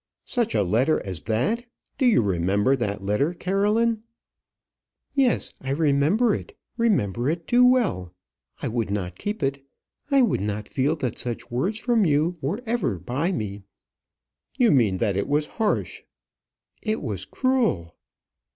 "Such a letter as that! Do you remember that letter, Caroline?" "Yes, I remember it; remember it too well; I would not keep it. I would not feel that such words from you were ever by me." "You mean that it was harsh?" "It was cruel."